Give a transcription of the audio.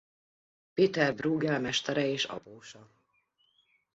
Pieter Bruegel mestere és apósa.